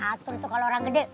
ngatur tuh kalau orang gede